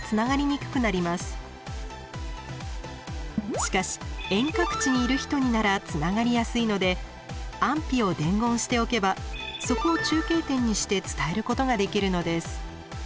しかし遠隔地にいる人にならつながりやすいので安否を伝言しておけばそこを中継点にして伝えることができるのです。